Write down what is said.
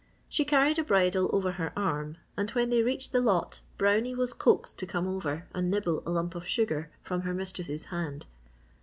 She carried a bridle over her arm and when they reached the lot Brownie was coaxed to come over and nibble a lump of sugar from her mistress' hand.